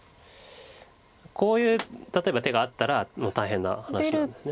こういう例えば手があったら大変な話なんです。